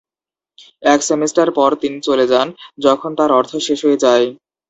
এক সেমিস্টার পর তিনি চলে যান, যখন তার অর্থ শেষ হয়ে যায়।